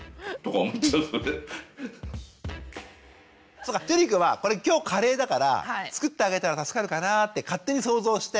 そっかチェリー君はこれ今日カレーだから作ってあげたら助かるかなって勝手に想像して。